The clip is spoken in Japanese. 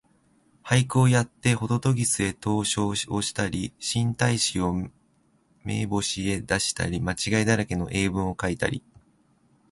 俳句をやってほととぎすへ投書をしたり、新体詩を明星へ出したり、間違いだらけの英文をかいたり、